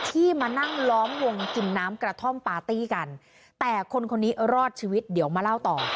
ที่มานั่งล้อมวงกินน้ำกระท่อมปาร์ตี้กันแต่คนคนนี้รอดชีวิตเดี๋ยวมาเล่าต่อ